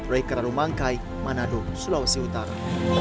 rai keranumangkai manado sulawesi utara